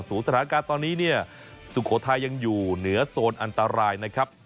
สถานการณ์ตอนนี้เนี่ยสุโขทัยยังอยู่เหนือโซนอันตรายนะครับ